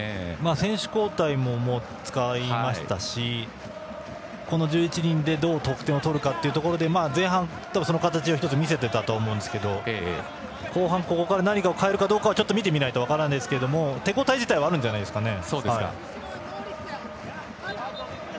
選手交代も使いましたしこの１１人でどう得点を取るかで前半、その形を１つ見せていたと思いますが後半、ここから何かを変えるかどうかはちょっと見てみないと分からないですけど手応えはあるんじゃないですかね。